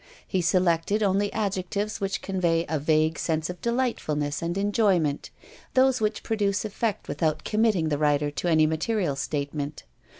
He selected only adjectives which convey a vague sense of delightfulness and enjoyment those which produce effect without committing the writer to any material statement.